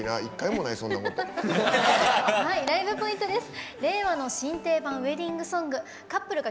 ライブポイントです。